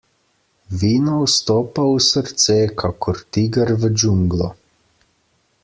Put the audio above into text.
Vino vstopa v srce kakor tiger v džunglo.